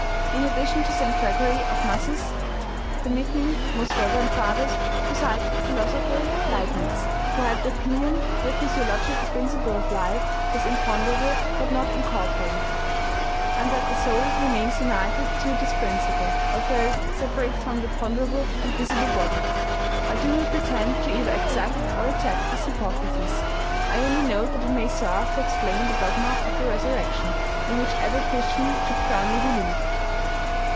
" In addition to St. Gregory of Nyssus, permit me, most OMEGA. 131 reverend fathers, to cite a philosopher L,eibnitz, who held the opinion that the physiological principle of life was im ponderable but not incorporeal, and that the soul remains united to this principle, although separated from the pon derable and visible body. I do not pretend to either ac cept or reject this hypothesis. I only note that it may serve to explain the dogma of' the resurrection, in which every Christian should firmly believe."